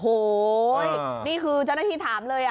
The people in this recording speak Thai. โอ้โหนี่คือเจ้าหน้าที่ถามเลย